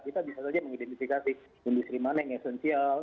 kita bisa saja mengidentifikasi industri mana yang esensial